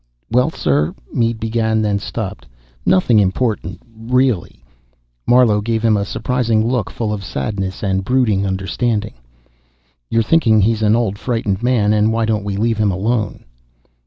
"Well, sir " Mead began, then stopped. "Nothing important, really." Marlowe gave him a surprising look full of sadness and brooding understanding. "You're thinking he's an old, frightened man, and why don't we leave him alone?"